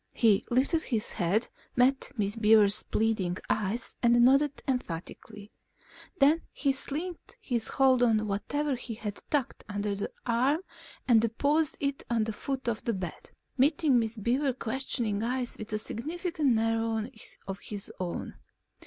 He lifted his head, met Miss Beaver's pleading eyes, and nodded emphatically. Then he slackened his hold on whatever he had tucked under one arm and deposited it at the foot of the bed, meeting Miss Beaver's questioning eyes with a significant narrowing of his own.